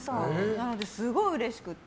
なので、すごいうれしくて。